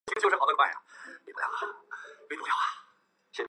加伯维尔是位于美国加利福尼亚州洪堡县的一个人口普查指定地区。